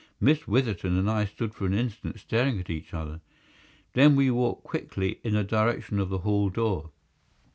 Miss Witherton and I stood for an instant staring at each other. Then we walked quickly in the direction of the hall door.